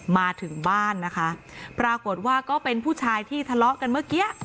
มาถึงบ้านนะคะปรากฏว่าก็เป็นผู้ชายที่ทะเลาะกันเมื่อกี้